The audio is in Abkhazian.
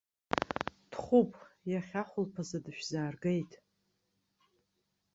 Дхәуп, иахьа ахәылԥазы дышәзааргеит!